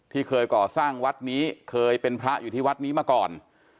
เคยก่อสร้างวัดนี้เคยเป็นพระอยู่ที่วัดนี้มาก่อน